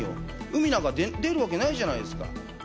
うみなんか出るわけないじゃないですか。